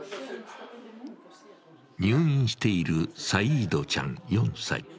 入院しているサイードちゃん４歳。